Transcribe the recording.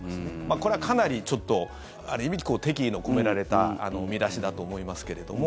これはかなり、ある意味敵意の込められた見出しだと思いますけれども。